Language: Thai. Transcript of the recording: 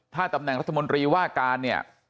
ถ้าตำแหน่งรัฐมนตรีว่าการเนี่ย